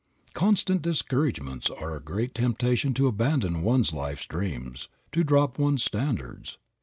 Constant discouragements are a great temptation to abandon one's life dreams, to drop one's standards.